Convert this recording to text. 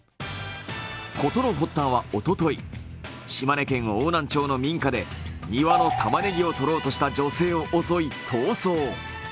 事の発端はおととい、島根県邑南町の民家で庭のたまねぎを取ろうとした女性を襲い、逃走。